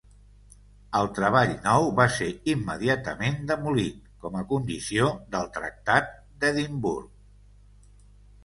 El treball nou va ser immediatament demolit com a condició del Tractat d'Edimburg.